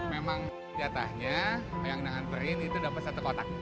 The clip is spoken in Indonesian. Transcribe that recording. memang kelihatannya yang diantarin itu dapat satu kotak